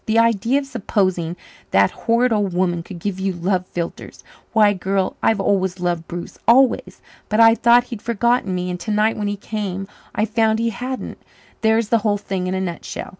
The idea of supposing that horrid old woman could give you love philtres! Why, girl, I've always loved Bruce always. But I thought he'd forgotten me. And tonight when he came I found he hadn't. There's the whole thing in a nutshell.